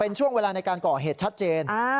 เป็นช่วงเวลาในการก่อเหตุชัดเจน